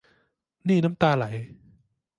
นี่น้ำตาไหล